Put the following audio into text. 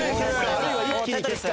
あるいは一気に消すか。